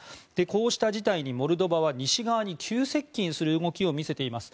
こうした事態にモルドバは西側に急接近する動きを見せています。